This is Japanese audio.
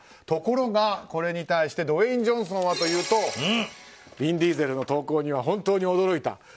ところが、これに対してドウェイン・ジョンソンはヴィン・ディーゼルの投稿には本当に驚いた。